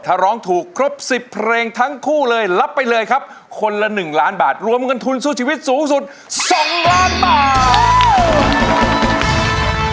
ถ้าร้องถูกครบ๑๐เพลงทั้งคู่เลยรับไปเลยครับคนละ๑ล้านบาทรวมเงินทุนสู้ชีวิตสูงสุด๒ล้านบาท